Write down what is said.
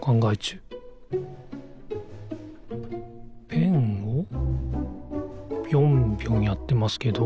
ペンをぴょんぴょんやってますけど。